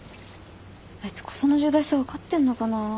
あいつ事の重大さ分かってんのかなぁ。